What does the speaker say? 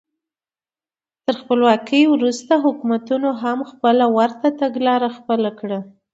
تر خپلواکۍ وروسته حکومتونو هم ورته تګلاره خپله کړه.